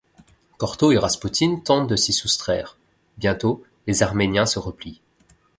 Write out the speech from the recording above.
Corto et Raspoutine tentent de s’y soustraire… Bientôt les Arméniens se replient.